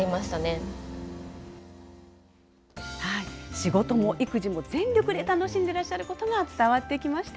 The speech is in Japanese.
仕事も育児も全力で楽しんでらっしゃることが伝わってきました。